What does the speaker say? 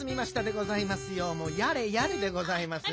もうやれやれでございます。